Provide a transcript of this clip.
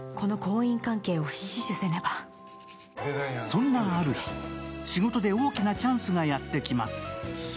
そんなある日、仕事で大きなチャンスがやってきます。